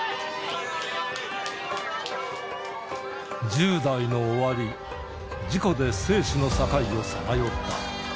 １０代の終わり、事故で生死の境をさまよった。